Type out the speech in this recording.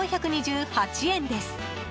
４２８円です。